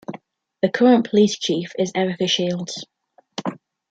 The current police chief is Erika Shields.